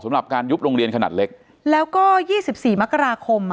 สำหรับการยุบโรงเรียนขนาดเล็กแล้วก็๒๔มกราคม